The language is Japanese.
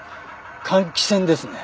換気扇ですね。